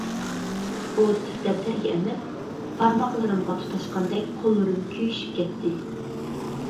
ئوت دەپتەرگە ئەمەس، بارماقلىرىمغا تۇتاشقاندەك قوللىرىم كۆيۈشۈپ كەتتى.